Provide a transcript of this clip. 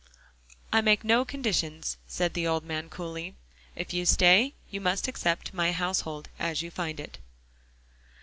"I make no conditions," said the old gentleman coolly. "If you stay, you must accept my household as you find it."